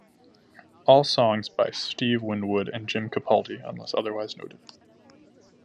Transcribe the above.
All songs by Steve Winwood and Jim Capaldi unless otherwise noted.